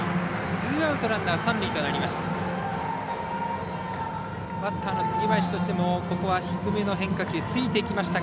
ツーアウトランナー、三塁となりました。